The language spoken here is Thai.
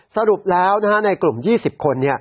สรุปแล้วในกลุ่ม๒๐คน